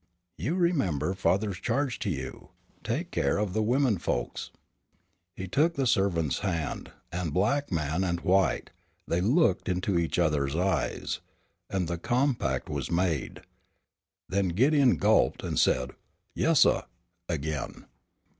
"You remember father's charge to you, take care of the women folks." He took the servant's hand, and, black man and white, they looked into each other's eyes, and the compact was made. Then Gideon gulped and said "Yes, suh" again.